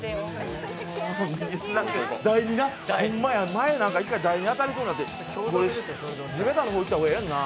前、台に当たりそうになって、地べたの方いったほうがええやんな。